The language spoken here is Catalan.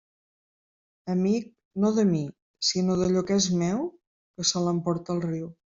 Amic no de mi sinó d'allò que és meu, que se l'emporte el riu.